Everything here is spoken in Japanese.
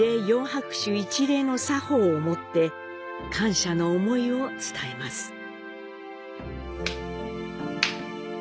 四拍手一礼の作法をもって感謝の思いを伝えます。